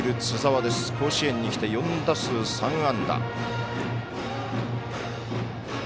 甲子園にきて４打数３安打。